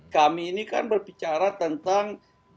kami ini kan berbicara tentang